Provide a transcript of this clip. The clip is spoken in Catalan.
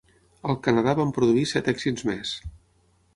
Al Canadà van produir set èxits més.